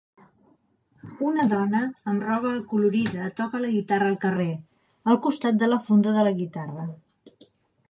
Una dona amb roba acolorida toca la guitarra al carrer, al costat de la funda de la guitarra.